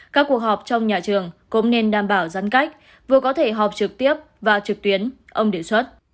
các cuộc họp trong nhà trường cũng nên đảm bảo giãn cách vừa có thể họp trực tiếp và trực tuyến ông đề xuất